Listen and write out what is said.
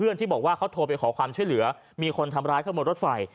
เพื่อนที่บอกว่าเขาโทรไปขอความเชื่อเหลือมีคนทำร้ายเขาบนรถไฟ